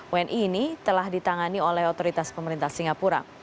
wni ini telah ditangani oleh otoritas pemerintah singapura